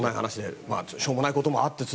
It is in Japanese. しょうもないこともあって。